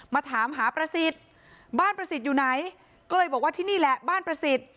มาถามหาประสิทธิ์บ้านประสิทธิ์อยู่ไหนก็เลยบอกว่าที่นี่แหละบ้านประสิทธิ์